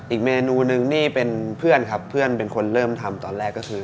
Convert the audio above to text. อีกเมนูนึงนี่เป็นเพื่อนครับเพื่อนเป็นคนเริ่มทำตอนแรกก็คือ